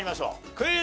クイズ。